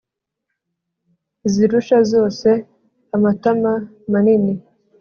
Izirusha zose amatama manini,